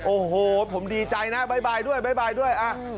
โอ้โฮผมดีใจนะบ๊ายบายด้วยอ่ะ